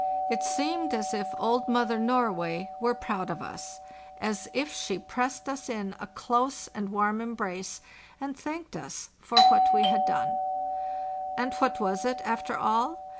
It seemed as if old Mother Norway were proud of us, as if she pressed us in a close and warm embrace, and thanked us for what we had done. And what was it, after all?